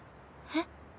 えっ？